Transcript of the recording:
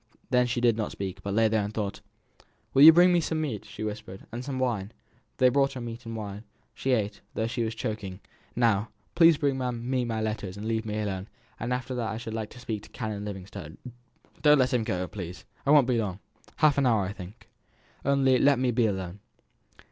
Then she did not speak, but lay and thought. "Will you bring me some meat?" she whispered. "And some wine?" They brought her meat and wine; she ate, though she was choking. "Now, please, bring me my letters, and leave me alone; and after that I should like to speak to Canon Livingstone. Don't let him go, please. I won't be long half an hour, I think. Only let me be alone."